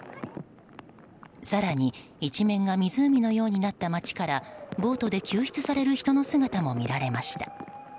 更に、一面が湖のようになった街からボートで救出される人の姿も見られました。